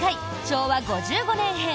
昭和５５年編。